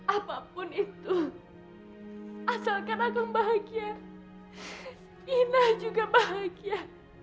apapun itu asalkan aku bahagia ina juga bahagia